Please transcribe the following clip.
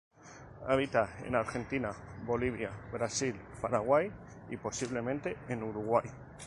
Habita en Argentina, Bolivia, Brasil, Paraguay y posiblemente en Uruguay.